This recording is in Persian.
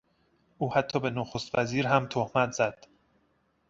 او حتی به نخست وزیر هم تهمت زد.